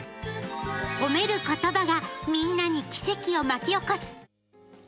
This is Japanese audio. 褒めることばがみんなに奇跡を巻き起こす。